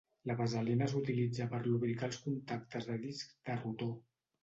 La vaselina s'utilitzava per lubricar els contactes de discs de rotor.